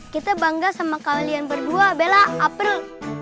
kita bangga sama kalian berdua bella april